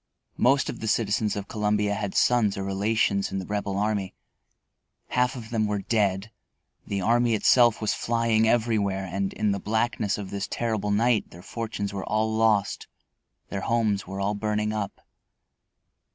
Most of the citizens of Columbia had sons or relations in the Rebel army. Half of them were dead, the army itself was flying everywhere, and in the blackness of this terrible night their fortunes were all lost, their homes were all burning up.